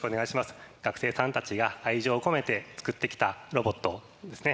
学生さんたちが愛情を込めてつくってきたロボットをですね